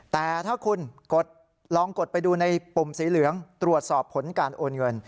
แต่ถ้าคุณลองกดไปดูในปุ่มสีเหลืองตรวจสอบผลการโอนเงิน